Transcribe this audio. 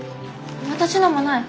私のもない。